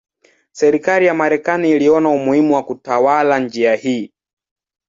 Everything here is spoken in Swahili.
Serikali ya Marekani iliona umuhimu wa kutawala njia hii.